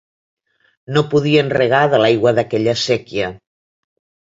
No podien regar de l’aigua d’aquella séquia.